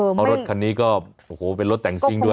เพราะรถคันนี้ก็เป็นรถแต่งสิ้งด้วย